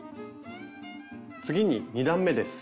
次に２段めです。